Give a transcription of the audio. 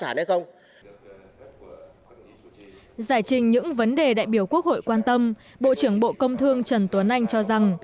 hiện nay chúng ta đã đặt những vấn đề đặc biểu của quốc hội quan tâm bộ trưởng bộ công thương trần tuấn anh cho rằng